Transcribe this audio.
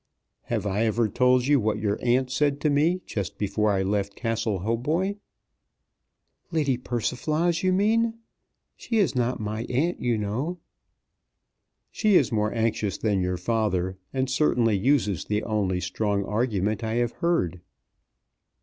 "Have I ever told you what your aunt said to me just before I left Castle Hautboy?" "Lady Persiflage, you mean. She is not my aunt, you know." "She is more anxious than your father, and certainly uses the only strong argument I have heard."